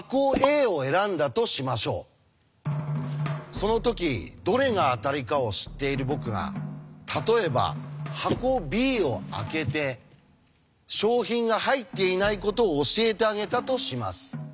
そのときどれが当たりかを知っている僕が例えば箱Ｂを開けて商品が入っていないことを教えてあげたとします。